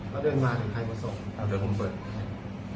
เขาเดินมาถึงไทยพระศพ